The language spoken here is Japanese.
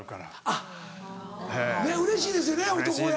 あっうれしいですよね男親は。